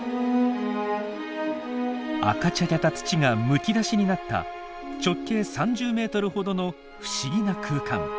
赤茶けた土がむき出しになった直径３０ｍほどの不思議な空間。